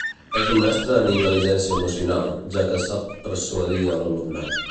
És un mestre en intel·ligència emocional, ja que sap persuadir a l'alumnat.